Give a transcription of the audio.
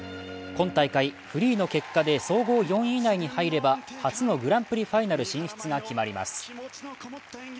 今大会フリーの結果で総合４位以内に入れば初のグランプリファイナル進出が決まります。